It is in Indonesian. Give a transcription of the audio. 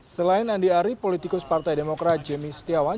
selain andi ari politikus partai demokrat jemi setiawan